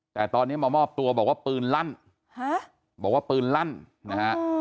แต่ตอนนี้มามอบตัวบอกว่าปืนลั่นบอกว่าปืนลั่นนะฮะ